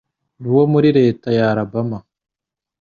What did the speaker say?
nuwo muri leta ya Alabama